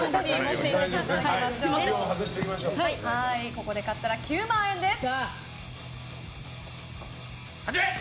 ここで勝ったら９万円です。